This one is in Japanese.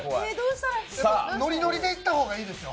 ノリノリでいった方がいいですよ。